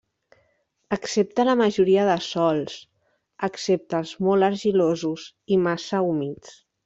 Accepta la majoria de sòls excepte els molt argilosos i massa humits.